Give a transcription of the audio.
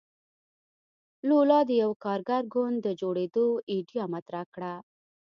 لولا د یوه کارګر ګوند د جوړېدو ایډیا مطرح کړه.